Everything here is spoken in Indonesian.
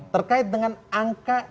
terkait dengan angka